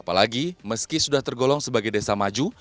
apalagi meski sudah tergolong sebagai desa maju